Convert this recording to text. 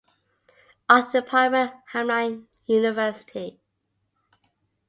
Art Department Hamline University.